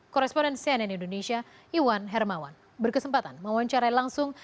koresponen cnn indonesia iwan hermawan berkesempatan mewawancarai langsung